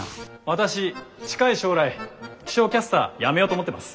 私近い将来気象キャスター辞めようと思ってます。